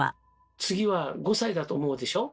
次は５歳だと思うでしょ？